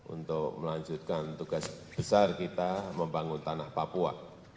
untuk melanjutkan tugas besar kita membangun tanah papua